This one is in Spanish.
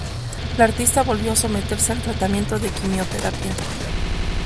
La artista volvió a someterse al tratamiento de quimioterapia.